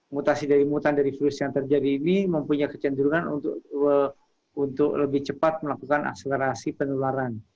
mutasi dari mutan dari virus yang terjadi ini mempunyai kecenderungan untuk lebih cepat melakukan akselerasi penularan